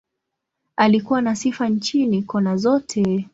Alikuwa na sifa nchini, kona zote.